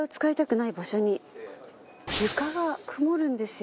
床が曇るんですよ